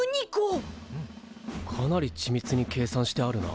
かなりちみつに計算してあるな。